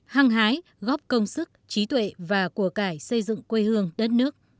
hăng hái góp công sức trí tuệ và của cải xây dựng quê hương đất nước